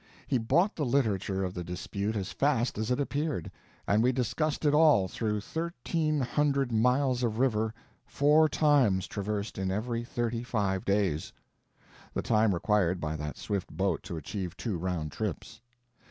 He bought the literature of the dispute as fast as it appeared, and we discussed it all through thirteen hundred miles of river four times traversed in every thirty five days—the time required by that swift boat to achieve two round trips.